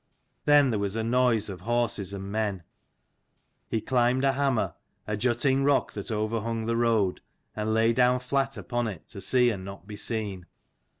Then there was a noise of horses and men. He climbed a hammer, a jutting rock that overhung the road, and lay down flat upon it to see and not be seen.